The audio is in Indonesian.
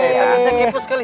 eh tapi saya kipu sekali